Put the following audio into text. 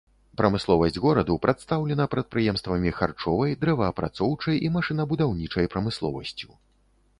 Прамысловасць гораду прадстаўлена прадпрыемствамі харчовай, дрэваапрацоўчай і машынабудаўнічай прамысловасцю.